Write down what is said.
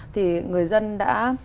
thì người dân đã